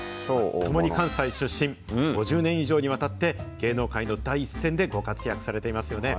共に関西出身、５０年以上にわたって芸能界の第一線でご活躍されてますよね。